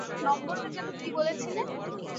নম্বরটা যেন কী বলেছিলে?